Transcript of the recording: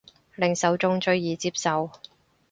令受眾最易接受